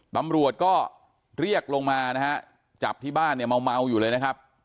ตำรวจก็เรียกลงมานะฮะจับที่บ้านเนี่ยเมาอยู่เลยนะครับ